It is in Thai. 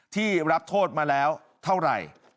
ที่รับโทษมาแล้วเท่าไหร่